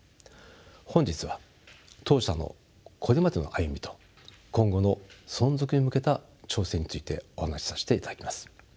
本日は当社のこれまでの歩みと今後の存続へ向けた挑戦についてお話しさせていただきます。